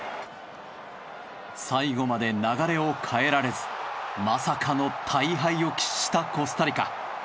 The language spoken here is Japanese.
最後まで流れを変えられずまさかの大敗を喫したコスタリカ。